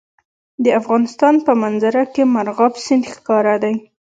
د افغانستان په منظره کې مورغاب سیند ښکاره ده.